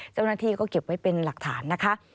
เจ้าหน้าที่ก็เก็บไว้เป็นหลักฐานนะคะ